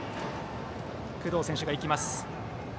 工藤選手が行きます。